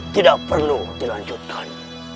tidak perlu dilanjutkan